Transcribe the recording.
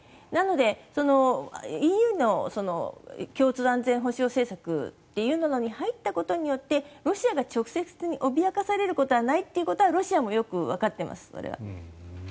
なので、ＥＵの共通安全保障政策というのに入ったことによってロシアが直接脅かされることはないということはロシアもよくわかっています。